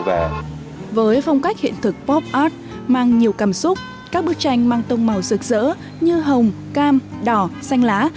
với phong cách hiện thực pop ort mang nhiều cảm xúc các bức tranh mang tông màu rực rỡ như hồng cam đỏ xanh lá